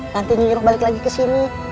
nanti nyiroh balik lagi kesini